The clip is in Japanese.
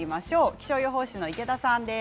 気象予報士の池田さんです。